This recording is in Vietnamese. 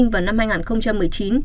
vào năm hai nghìn một mươi chín